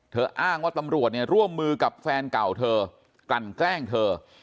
เธออ้างว่าตำรวจร่วมมือกับแฟนเก่าเธอกรรแกล้งเธอ